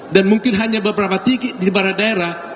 dan mungkin hanya beberapa titik di barang daerah